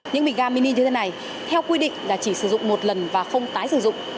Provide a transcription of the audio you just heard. những bình ga mini như thế này theo quy định là chỉ sử dụng một lần và không tái sử dụng